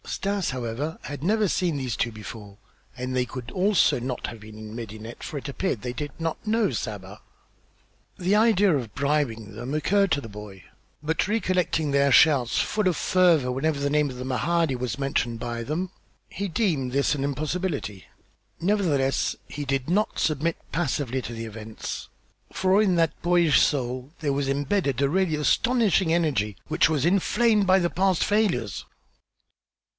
Stas, however, had never seen these two before, and they also could not have been in Medinet, for it appeared they did not know Saba. The idea of attempting to bribe them occurred to the boy, but recollecting their shouts, full of fervor, whenever the name of the Mahdi was mentioned by them, he deemed this an impossibility. Nevertheless, he did not submit passively to the events, for in that boyish soul there was imbedded a really astonishing energy, which was inflamed by the past failures.